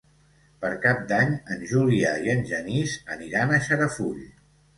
Per Cap d'Any en Julià i en Genís aniran a Xarafull.